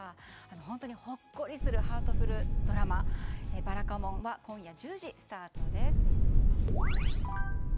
本当にほっこりするハートフルドラマ「ばらかもん」は今夜１０時スタートです。